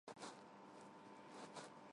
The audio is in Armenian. Կտրվեն նաև ձեռագործության դասեր։